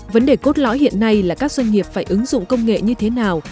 vấn đề cốt lõi hiện nay là các doanh nghiệp phải ứng dụng công nghệ như thế nào